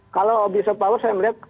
kalau abuse of power saya melihat